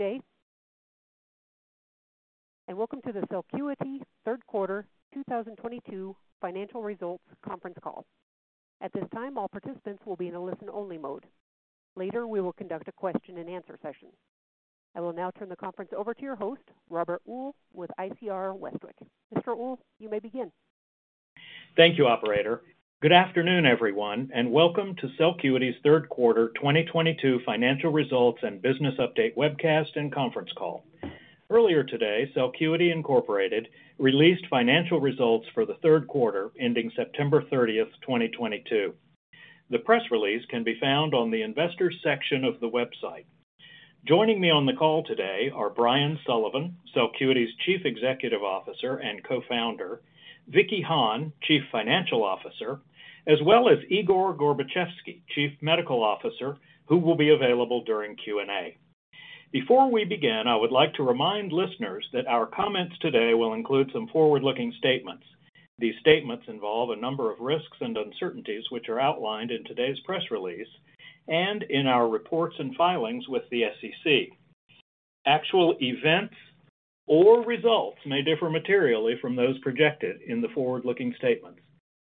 Good day, and welcome to the Celcuity Third Quarter 2022 Financial Results Conference Call. At this time, all participants will be in a listen-only mode. Later, we will conduct a question-and-answer session. I will now turn the conference over to your host, Robert Uhl with ICR Westwicke. Mr. Uhl, you may begin. Thank you, operator. Good afternoon, everyone, and welcome to Celcuity's Third Quarter 2022 Financial Results and Business Update Webcast and Conference Call. Earlier today, Celcuity Inc. released financial results for the third quarter ending September 30th, 2022. The press release can be found on the investors section of the website. Joining me on the call today are Brian Sullivan, Celcuity's Chief Executive Officer and Co-founder, Vicky Hahne, Chief Financial Officer, as well as Igor Gorbatchevsky, Chief Medical Officer, who will be available during Q&A. Before we begin, I would like to remind listeners that our comments today will include some forward-looking statements. These statements involve a number of risks and uncertainties, which are outlined in today's press release and in our reports and filings with the SEC. Actual events or results may differ materially from those projected in the forward-looking statements.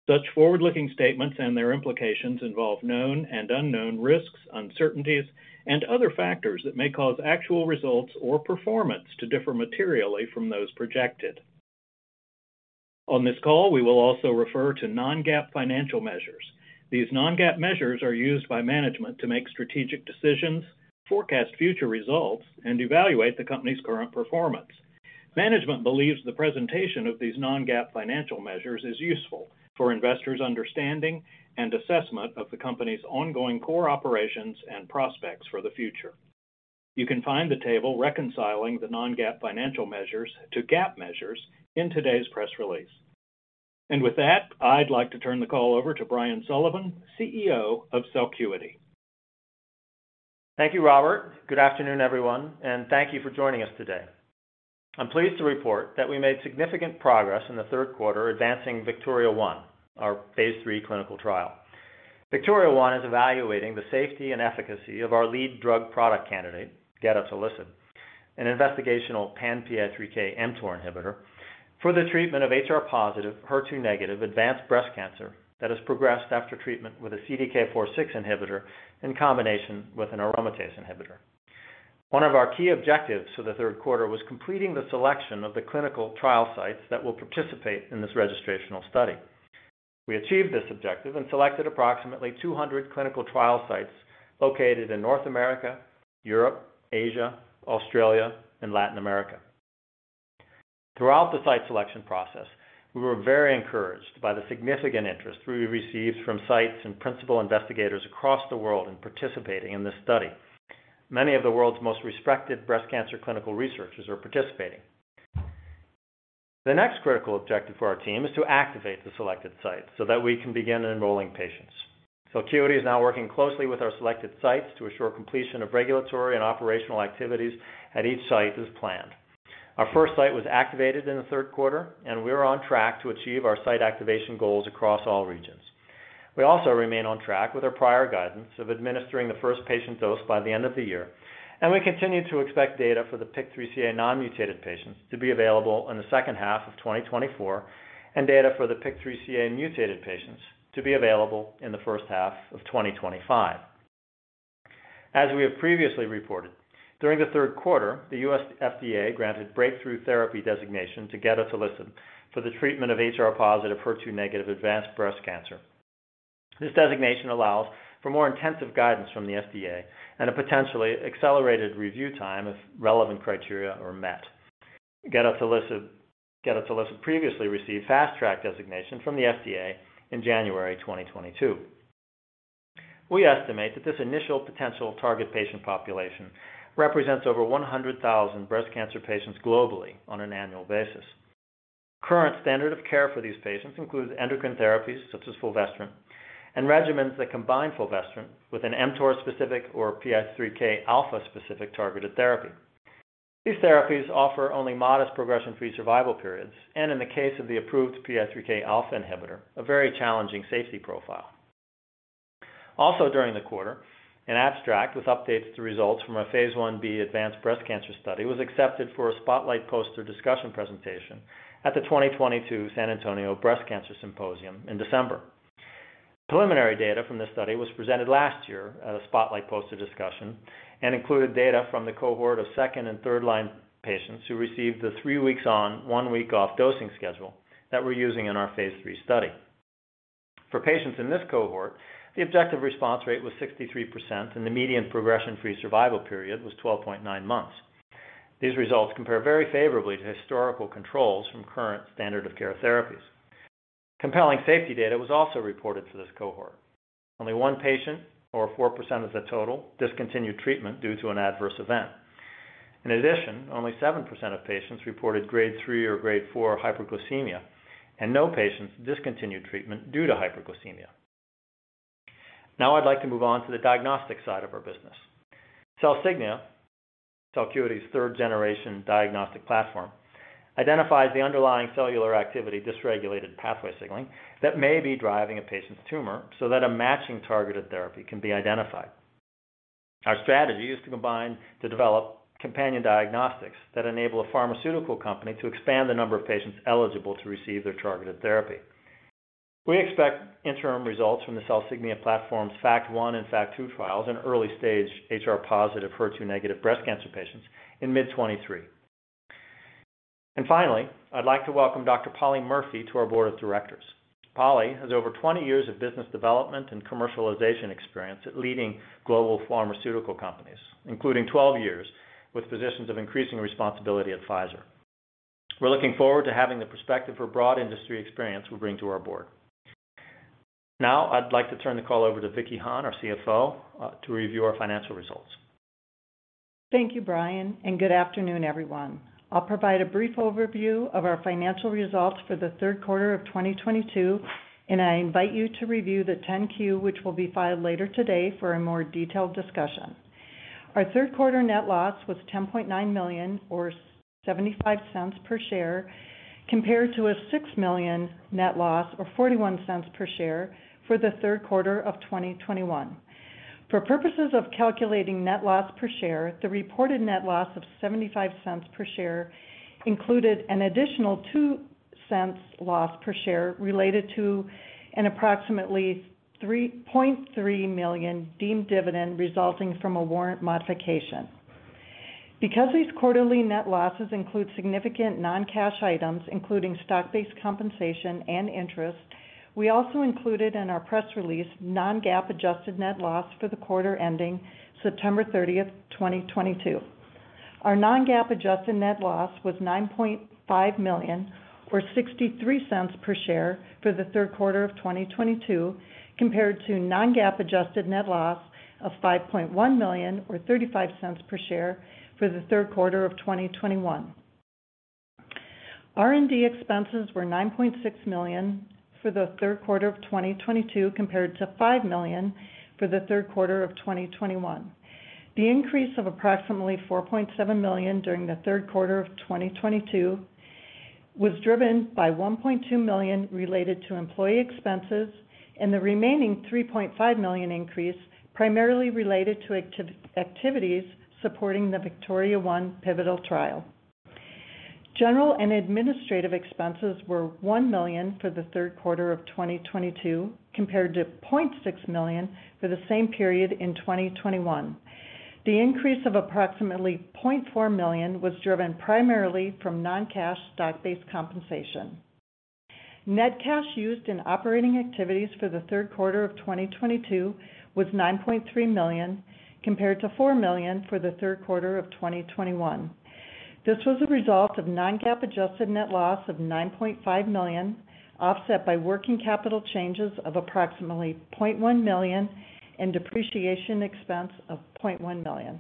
Such forward-looking statements and their implications involve known and unknown risks, uncertainties, and other factors that may cause actual results or performance to differ materially from those projected. On this call, we will also refer to non-GAAP financial measures. These non-GAAP measures are used by management to make strategic decisions, forecast future results, and evaluate the company's current performance. Management believes the presentation of these non-GAAP financial measures is useful for investors' understanding and assessment of the company's ongoing core operations and prospects for the future. You can find the table reconciling the non-GAAP financial measures to GAAP measures in today's press release. With that, I'd like to turn the call over to Brian Sullivan, CEO of Celcuity. Thank you, Robert. Good afternoon, everyone, and thank you for joining us today. I'm pleased to report that we made significant progress in the third quarter advancing VIKTORIA-1, our phase III clinical trial. VIKTORIA-1 is evaluating the safety and efficacy of our lead drug product candidate, gedatolisib, an investigational pan-PI3K/mTOR inhibitor for the treatment of HR-positive, HER2-negative advanced breast cancer that has progressed after treatment with a CDK4/6 inhibitor in combination with an aromatase inhibitor. One of our key objectives for the third quarter was completing the selection of the clinical trial sites that will participate in this registrational study. We achieved this objective and selected approximately 200 clinical trial sites located in North America, Europe, Asia, Australia, and Latin America. Throughout the site selection process, we were very encouraged by the significant interest we received from sites and principal investigators across the world in participating in this study. Many of the world's most respected breast cancer clinical researchers are participating. The next critical objective for our team is to activate the selected sites so that we can begin enrolling patients. Celcuity is now working closely with our selected sites to assure completion of regulatory and operational activities at each site as planned. Our first site was activated in the third quarter, and we are on track to achieve our site activation goals across all regions. We also remain on track with our prior guidance of administering the first patient dose by the end of the year, and we continue to expect data for the PIK3CA non-mutated patients to be available in the second half of 2024 and data for the PIK3CA mutated patients to be available in the first half of 2025. As we have previously reported, during the third quarter, the U.S. FDA granted breakthrough therapy designation to gedatolisib for the treatment of HR-positive, HER2-negative advanced breast cancer. This designation allows for more intensive guidance from the FDA and a potentially accelerated review time if relevant criteria are met. Gedatolisib previously received fast track designation from the FDA in January 2022. We estimate that this initial potential target patient population represents over 100,000 breast cancer patients globally on an annual basis. Current standard of care for these patients includes endocrine therapies such as fulvestrant and regimens that combine fulvestrant with an mTOR-specific or PI3K alpha-specific targeted therapy. These therapies offer only modest progression-free survival periods, and in the case of the approved PI3K alpha inhibitor, a very challenging safety profile. Also during the quarter, an abstract with updates to results from our phase I-B advanced breast cancer study was accepted for a spotlight poster discussion presentation at the 2022 San Antonio Breast Cancer Symposium in December. Preliminary data from this study was presented last year at a spotlight poster discussion and included data from the cohort of second and third line patients who received the three weeks on, one week off dosing schedule that we're using in our phase III study. For patients in this cohort, the objective response rate was 63% and the median progression-free survival period was 12.9 months. These results compare very favorably to historical controls from current standard of care therapies. Compelling safety data was also reported for this cohort. Only one patient or 4% of the total discontinued treatment due to an adverse event. In addition, only 7% of patients reported Grade 3 or Grade 4 hyperglycemia and no patients discontinued treatment due to hyperglycemia. Now I'd like to move on to the diagnostic side of our business. CELsignia, Celcuity's third-generation diagnostic platform, identifies the underlying cellular activity dysregulated pathway signaling that may be driving a patient's tumor so that a matching targeted therapy can be identified. Our strategy is committed to develop companion diagnostics that enable a pharmaceutical company to expand the number of patients eligible to receive their targeted therapy. We expect interim results from the CELsignia platform's FACT 1 and FACT 2 trials in early-stage HR-positive HER2-negative breast cancer patients in mid-2023. Finally, I'd like to welcome Dr. Polly Murphy to our Board of Directors. Polly has over 20 years of business development and commercialization experience at leading global pharmaceutical companies, including 12 years with positions of increasing responsibility at Pfizer. We're looking forward to having the perspective her broad industry experience will bring to our board. Now, I'd like to turn the call over to Vicky Hahne, our CFO, to review our financial results. Thank you, Brian, and good afternoon, everyone. I'll provide a brief overview of our financial results for the third quarter of 2022, and I invite you to review the 10-Q, which will be filed later today for a more detailed discussion. Our third quarter net loss was $10.9 million or $0.75 per share, compared to a $6 million net loss or $0.41 per share for the third quarter of 2021. For purposes of calculating net loss per share, the reported net loss of $0.75 per share included an additional $0.02 loss per share related to an approximately $3.3 million deemed dividend resulting from a warrant modification. Because these quarterly net losses include significant non-cash items, including stock-based compensation and interest, we also included in our press release non-GAAP adjusted net loss for the quarter ending September 30th, 2022. Our non-GAAP adjusted net loss was $9.5 million or $0.63 per share for the third quarter of 2022, compared to non-GAAP adjusted net loss of $5.1 million or $0.35 per share for the third quarter of 2021. R&D expenses were $9.6 million for the third quarter of 2022 compared to $5 million for the third quarter of 2021. The increase of approximately $4.7 million during the third quarter of 2022 was driven by $1.2 million related to employee expenses, and the remaining $3.5 million increase primarily related to activities supporting the VIKTORIA-1 pivotal trial. General and administrative expenses were $1 million for the third quarter of 2022, compared to $600,000 for the same period in 2021. The increase of approximately $400,000 was driven primarily from non-cash stock-based compensation. Net cash used in operating activities for the third quarter of 2022 was $9.3 million, compared to $4 million for the third quarter of 2021. This was a result of non-GAAP adjusted net loss of $9.5 million, offset by working capital changes of approximately $100,000 and depreciation expense of $0.1 million.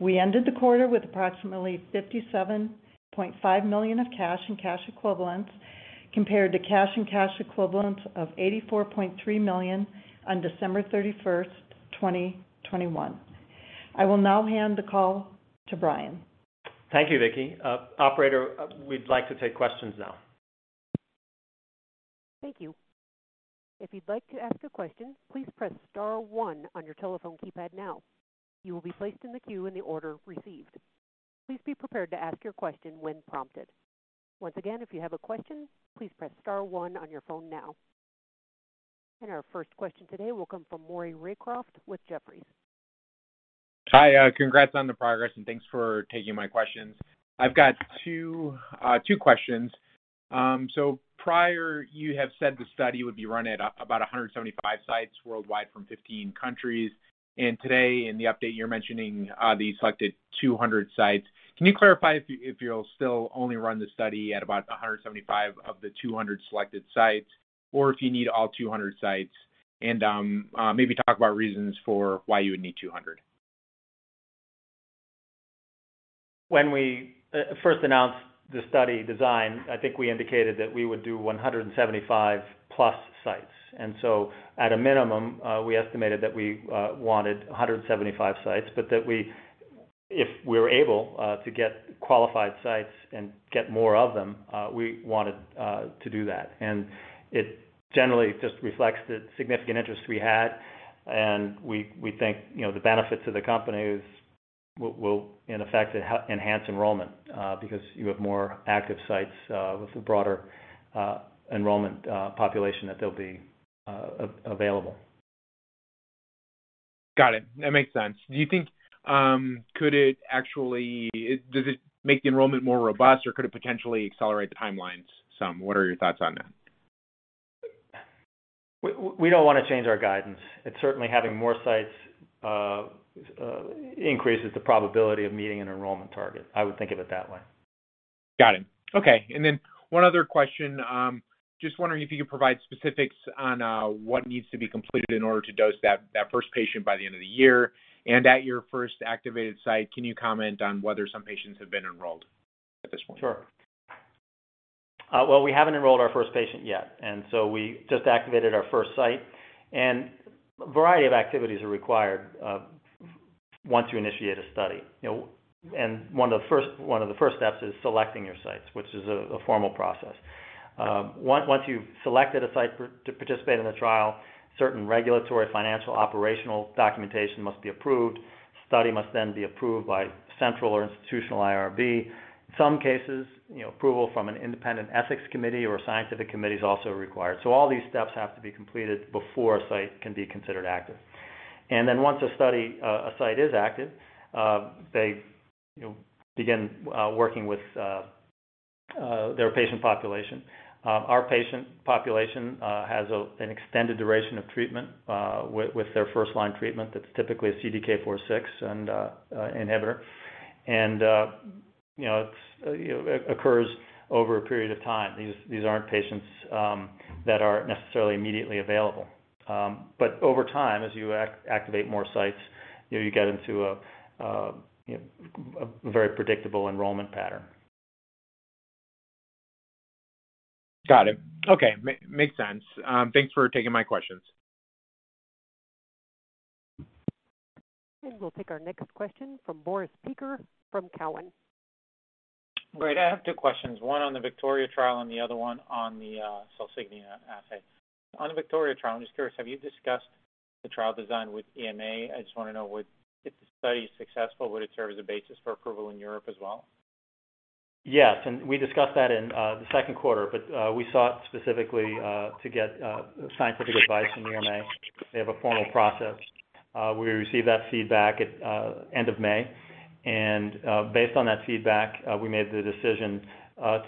We ended the quarter with approximately $57.5 million of cash and cash equivalents, compared to cash and cash equivalents of $84.3 million on December 31, 2021. I will now hand the call to Brian. Thank you, Vicki. Operator, we'd like to take questions now. Thank you. If you'd like to ask a question, please press star one on your telephone keypad now. You will be placed in the queue in the order received. Please be prepared to ask your question when prompted. Once again, if you have a question, please press star one on your phone now. Our first question today will come from Maury Raycroft with Jefferies. Hi. Congrats on the progress, and thanks for taking my questions. I've got two questions. So prior you have said the study would be run at about 175 sites worldwide from 15 countries, and today in the update, you're mentioning the selected 200 sites. Can you clarify if you'll still only run the study at about 175 of the 200 selected sites or if you need all 200 sites? Maybe talk about reasons for why you would need 200. When we first announced the study design, I think we indicated that we would do 175+ sites. At a minimum, we estimated that we wanted 175 sites, but if we were able to get qualified sites and get more of them, we wanted to do that. It generally just reflects the significant interest we had, and we think, you know, the benefit to the company is we'll in effect enhance enrollment because you have more active sites with a broader enrollment population that they'll be available. Got it. That makes sense. Does it make the enrollment more robust or could it potentially accelerate the timelines some? What are your thoughts on that? We don't wanna change our guidance. It's certainly having more sites increases the probability of meeting an enrollment target. I would think of it that way. Got it. Okay. One other question. Just wondering if you could provide specifics on what needs to be completed in order to dose that first patient by the end of the year. At your first activated site, can you comment on whether some patients have been enrolled at this point? Well, we haven't enrolled our first patient yet, so we just activated our first site. A variety of activities are required once you initiate a study. You know, one of the first steps is selecting your sites, which is a formal process. Once you've selected a site to participate in the trial, certain regulatory, financial, operational documentation must be approved. Study must then be approved by central or institutional IRB. In some cases, you know, approval from an independent ethics committee or a scientific committee is also required. All these steps have to be completed before a site can be considered active. Once a site is active, they, you know, begin working with their patient population. Our patient population has an extended duration of treatment with their first-line treatment. That's typically a CDK4/6 and an inhibitor. You know, it's you know it occurs over a period of time. These aren't patients that are necessarily immediately available. But over time, as you activate more sites, you know you get into a very predictable enrollment pattern. Got it. Okay. Makes sense. Thanks for taking my questions. We'll take our next question from Boris Peaker from Cowen. Great. I have two questions, one on the VIKTORIA trial and the other one on the CELsignia assay. On the VIKTORIA trial, I'm just curious, have you discussed the trial design with EMA? I just wanna know if the study is successful, would it serve as a basis for approval in Europe as well? Yes. We discussed that in the second quarter, but we sought specifically to get scientific advice from the EMA. They have a formal process. We received that feedback at end of May. Based on that feedback, we made the decision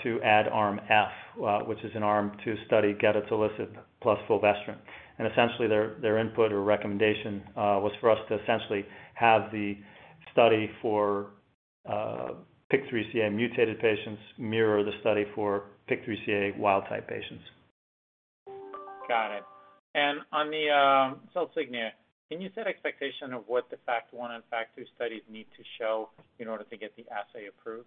to add Arm F, which is an arm to study gedatolisib plus fulvestrant. Essentially, their input or recommendation was for us to essentially have the study for PIK3CA mutated patients mirror the study for PIK3CA wild type patients. Got it. On the CELsignia, can you set expectation of what the FACT 1 and FACT 2 studies need to show in order to get the assay approved?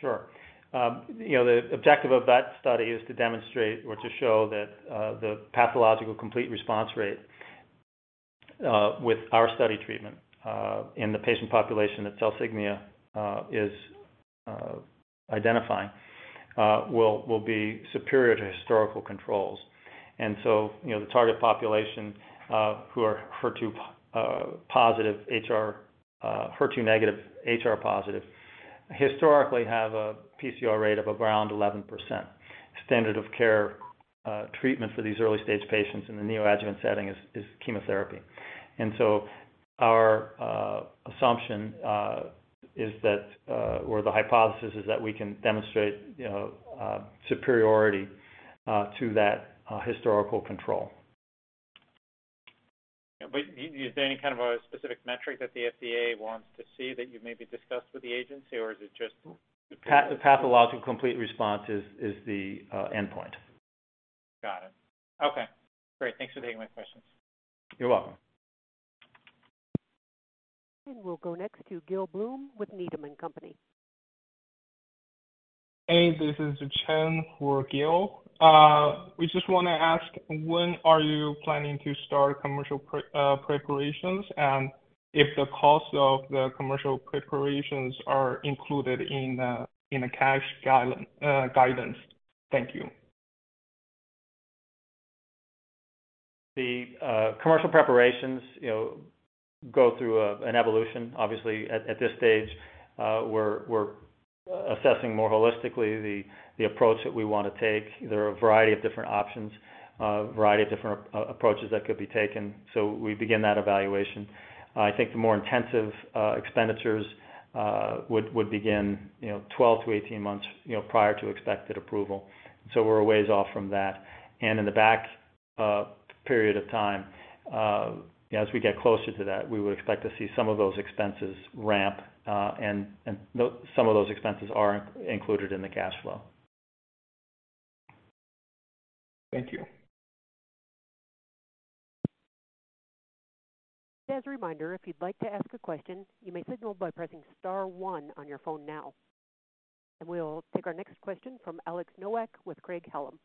Sure. You know, the objective of that study is to demonstrate or to show that the pathological complete response rate with our study treatment in the patient population that CELsignia is identifying will be superior to historical controls. You know, the target population who are HER2-negative, HR-positive historically have a pCR rate of around 11%. Standard of care treatment for these early-stage patients in the neoadjuvant setting is chemotherapy. Our assumption is that or the hypothesis is that we can demonstrate, you know, superiority to that historical control. Is there any kind of a specific metric that the FDA wants to see that you maybe discussed with the agency, or is it just? Pathological complete response is the endpoint. Got it. Okay. Great. Thanks for taking my questions. You're welcome. We'll go next to Gil Blum with Needham & Company. Hey, this is Yuchen for Gil. We just wanna ask, when are you planning to start commercial preparations, and if the cost of the commercial preparations are included in the cash guidance? Thank you. The commercial preparations, you know, go through an evolution. Obviously, at this stage, we're assessing more holistically the approach that we wanna take. There are a variety of different options, variety of different approaches that could be taken. So we begin that evaluation. I think the more intensive expenditures would begin, you know, 12–18 months, you know, prior to expected approval. So we're a ways off from that. In the back period of time, you know, as we get closer to that, we would expect to see some of those expenses ramp, and those some of those expenses are included in the cash flow. Thank you. Just as a reminder, if you'd like to ask a question, you may signal by pressing star one on your phone now. We'll take our next question from Alex Nowak with Craig-Hallum.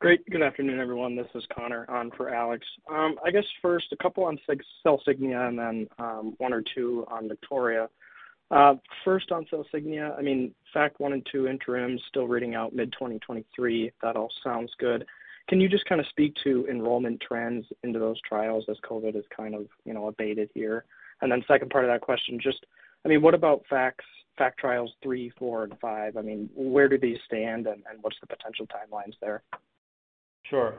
Good afternoon, everyone. This is Connor on for Alex. I guess first, a couple on CELsignia and then, one or two on VIKTORIA-1. First on CELsignia. I mean, FACT 1 and 2 interim still reading out mid-2023. That all sounds good. Can you just kinda speak to enrollment trends into those trials as COVID has kind of, you know, abated here? And then second part of that question, just, I mean, what about FACT trials 3, 4, and 5? I mean, where do these stand and what's the potential timelines there? Sure.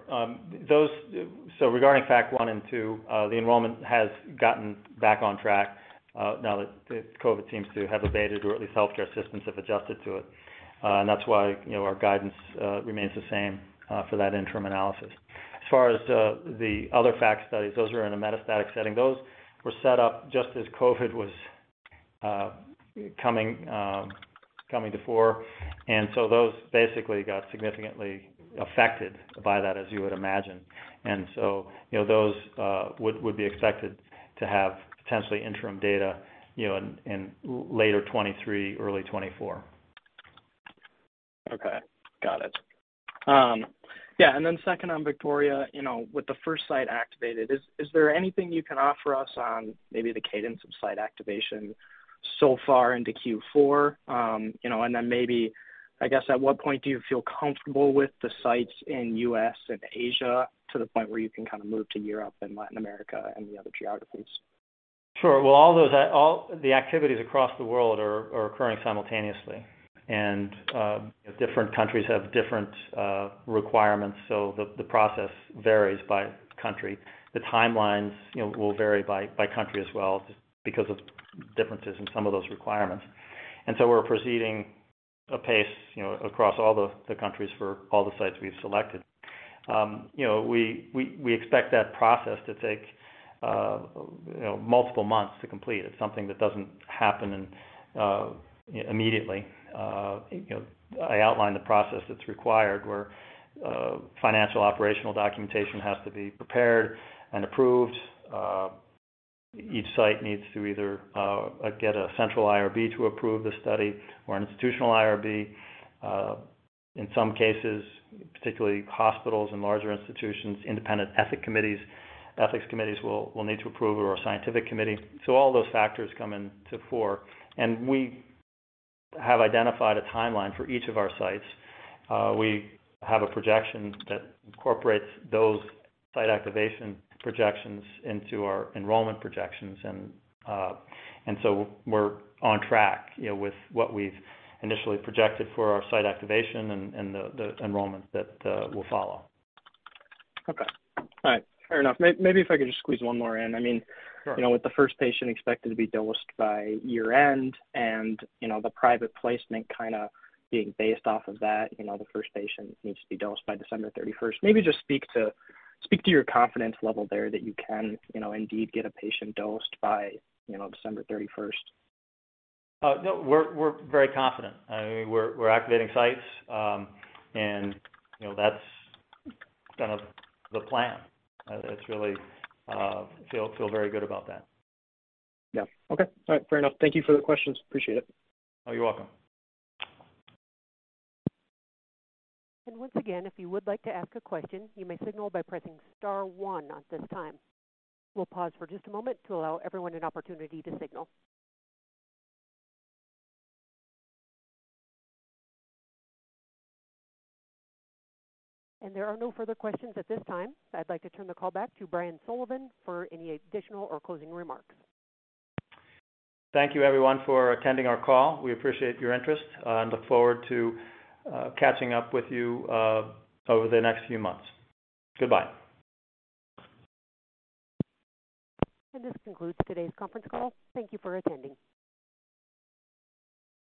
Regarding FACT 1 and 2, the enrollment has gotten back on track now that COVID seems to have abated or at least healthcare systems have adjusted to it. That's why, you know, our guidance remains the same for that interim analysis. As far as the other FACT studies, those are in a metastatic setting. Those were set up just as COVID was coming to fore. You know, those would be expected to have potentially interim data, you know, in later 2023, early 2024. Okay. Got it. Yeah, second on VIKTORIA, you know, with the first site activated, is there anything you can offer us on maybe the cadence of site activation so far into Q4? You know, and then maybe, I guess, at what point do you feel comfortable with the sites in U.S. and Asia to the point where you can kind of move to Europe and Latin America and the other geographies? Sure. Well, all the activities across the world are occurring simultaneously. Different countries have different requirements, so the process varies by country. The timelines, you know, will vary by country as well, just because of differences in some of those requirements. We're proceeding at a pace, you know, across all the countries for all the sites we've selected. You know, we expect that process to take multiple months to complete. It's something that doesn't happen immediately. You know, I outlined the process that's required where financial, operational documentation has to be prepared and approved. Each site needs to either get a central IRB to approve the study or an institutional IRB. In some cases, particularly hospitals and larger institutions, independent ethics committees, ethics committees will need to approve or a scientific committee. All those factors come into play. We have identified a timeline for each of our sites. We have a projection that incorporates those site activation projections into our enrollment projections. We're on track, you know, with what we've initially projected for our site activation and the enrollment that will follow. Okay. All right. Fair enough. Maybe if I could just squeeze one more in. I mean. Sure. You know, with the first patient expected to be dosed by year-end and, you know, the private placement kind of being based off of that, you know, the first patient needs to be dosed by December 31st. Maybe just speak to your confidence level there that you can, you know, indeed get a patient dosed by, you know, December 31st. No, we're very confident. I mean, we're activating sites. You know, that's kind of the plan. It's really, we feel very good about that. Yeah. Okay. All right. Fair enough. Thank you for the questions. Appreciate it. Oh, you're welcome. Once again, if you would like to ask a question, you may signal by pressing star one at this time. We'll pause for just a moment to allow everyone an opportunity to signal. There are no further questions at this time. I'd like to turn the call back to Brian Sullivan for any additional or closing remarks. Thank you everyone for attending our call. We appreciate your interest, and look forward to catching up with you over the next few months. Goodbye. This concludes today's conference call. Thank you for attending.